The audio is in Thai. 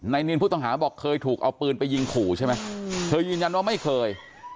นินผู้ต้องหาบอกเคยถูกเอาปืนไปยิงขู่ใช่ไหมเธอยืนยันว่าไม่เคย